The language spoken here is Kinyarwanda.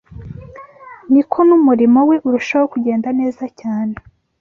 ni ko n’umurimo we urushaho kugenda neza cyane